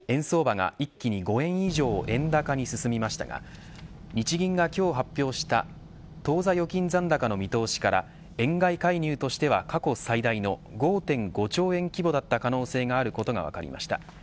一方２１日に実施された覆面介入では円相場が一気に５円以上、円高に進みましたが日銀が今日発表した当座預金残高の見通しから円買い介入としては過去最大の５．５兆円規模だった可能性があることが分かりました。